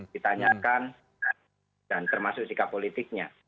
ditanyakan dan termasuk sikap politiknya